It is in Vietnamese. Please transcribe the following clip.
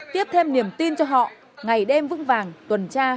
tiếp thêm niềm tin cho họ ngày đêm vững vàng tuần tra bảo vệ bình yên cho nhân dân